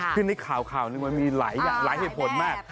คือในข่าวมันมีหลายเหตุผลแม่ง